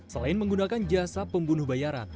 selain menggunakan jasa pembunuh bayaran